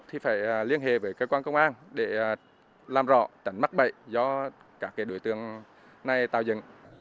thì phải liên hệ với cơ quan công an để làm rõ tránh mắc bậy do các đối tượng này tạo dựng